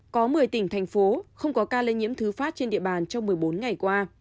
có một mươi tỉnh thành phố không có ca lây nhiễm thứ phát trên địa bàn trong một mươi bốn ngày qua